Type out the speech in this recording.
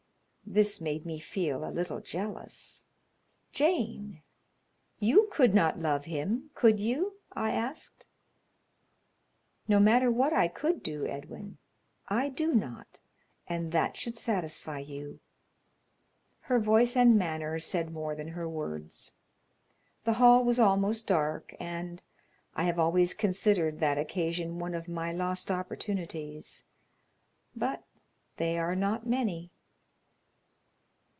This made me feel a little jealous. "Jane, you could not love him, could you?" I asked. "No matter what I could do, Edwin; I do not, and that should satisfy you." Her voice and manner said more than her words. The hall was almost dark, and I have always considered that occasion one of my lost opportunities; but they are not many.